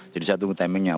jadi saya tunggu timenya